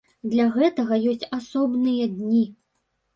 Для гэтага ёсць асобныя дні.